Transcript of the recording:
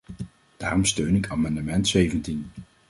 Daarom steun ik amendement zeventien.